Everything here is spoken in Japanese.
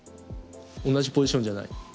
同じポジションじゃない？